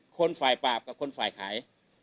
คนฝ่ายปราบกับคนฝ่ายขาย